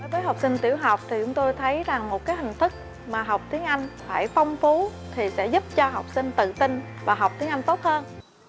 với học sinh tiểu học thì chúng tôi thấy rằng một cái hình thức mà học tiếng anh phải phong phú thì sẽ giúp cho học sinh tự tin và học tiếng anh tốt hơn